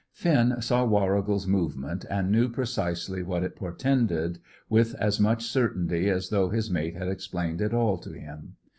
Finn saw Warrigal's movement, and knew precisely what it portended with as much certainty as though his mate had explained it all to him.